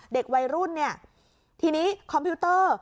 เด็กวัยรุ่นเนี่ยทีนี้คอมพิวเตอร์